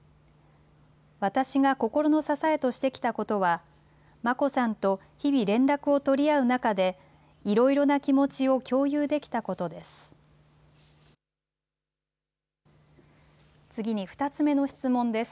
私が心の支えとしてきたことは、眞子さんと日々連絡を取り合う中で、いろいろな気持ちを共有できたことです。